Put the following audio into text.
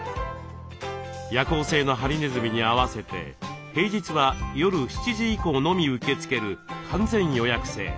夜行性のハリネズミに合わせて平日は夜７以降のみ受け付ける完全予約制。